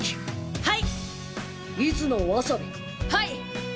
はい。